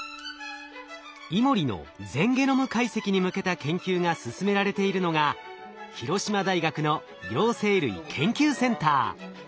イモリの全ゲノム解析に向けた研究が進められているのが広島大学の両生類研究センター。